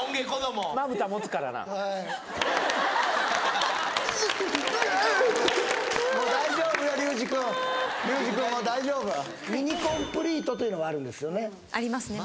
もう大丈夫ミニコンプリートというのはあるんですよねありますね